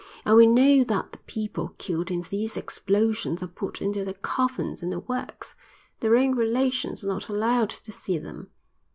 And we know that the people killed in these 'explosions' are put into their coffins in the works. Their own relations are not allowed to see them."